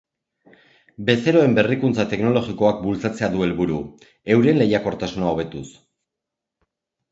Bezeroen berrikuntza teknologikoak bultzatzea du helburu, euren lehiakortasuna hobetuz.